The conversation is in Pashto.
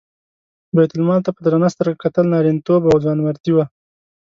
بیت المال ته په درنه سترګه کتل نارینتوب او ځوانمردي وه.